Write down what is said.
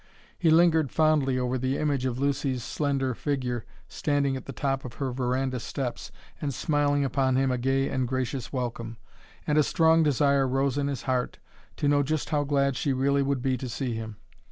He lingered fondly over the image of Lucy's slender figure standing at the top of her veranda steps and smiling upon him a gay and gracious welcome, and a strong desire rose in his heart to know just how glad she really would be to see him.